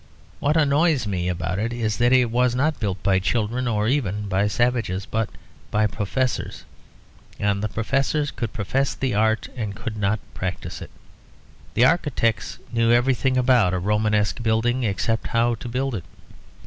What annoys me about it is that it was not built by children, or even by savages, but by professors; and the professors could profess the art and could not practise it. The architects knew everything about a Romanesque building except how to build it.